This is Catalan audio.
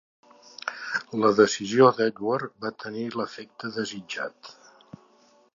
La decisió d'Edward va tenir l'efecte desitjat.